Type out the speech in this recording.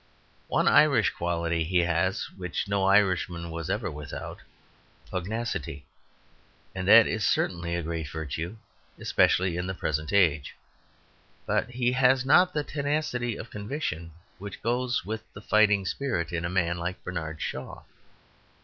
One Irish quality he has which no Irishman was ever without pugnacity; and that is certainly a great virtue, especially in the present age. But he has not the tenacity of conviction which goes with the fighting spirit in a man like Bernard Shaw.